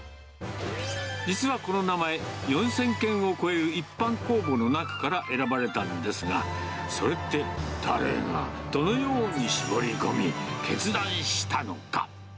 実はこの名前、４０００件を超える一般公募の中から選ばれたんですが、それって誰が、どのように絞り込み、決断したのか？